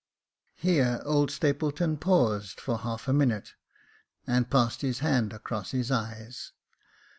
[Here old Stapleton paused for half a minute, and passed his hand across his eyes.